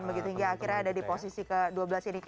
begitu hingga akhirnya ada di posisi ke dua belas ini